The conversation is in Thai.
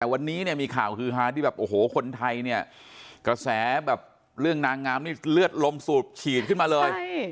แต่วันนี้มีข่าวคือคนไทยกระแสเรื่องนางงามเลือดลมสูบฉีดขึ้นมาเลย